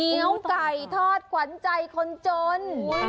นิ้วก๋ายทอดกวันไจคนจน